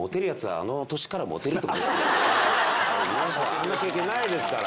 あんな経験ないですから。